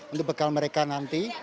untuk bekal mereka nanti